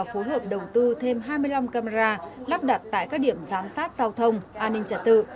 phối hợp đầu tư thêm hai mươi năm camera lắp đặt tại các điểm giám sát giao thông an ninh trật tự